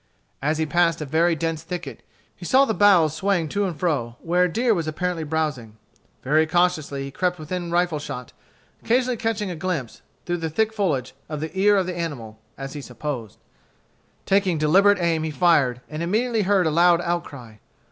As he passed a very dense thicket, he saw the boughs swaying to and fro, where a deer was apparently browsing. Very cautiously he crept within rifle shot, occasionally catching a glimpse, through the thick foliage, of the ear of the animal, as he supposed. Taking deliberate aim he fired, and immediately heard a loud outcry.